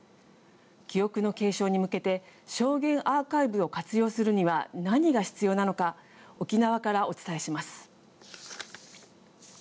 記憶の継承に向けて証言アーカイブを活用するには何が必要なのか沖縄からお伝えします。